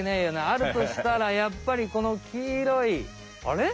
あるとしたらやっぱりこの黄色いあれ？